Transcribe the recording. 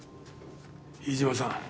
飯島さん